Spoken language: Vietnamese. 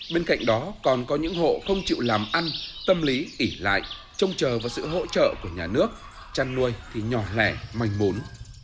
bên cạnh đó còn có những hộ không chịu làm ăn tâm lý ỉ lại trông chờ vào sự hỗ trợ của nhà nước chăn nuôi thì nhỏ lẻ manh mốn